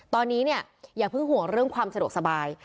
ตอนนี้เนี่ยอย่าเพิ่งห่วงเรื่องความสะดวกสบาย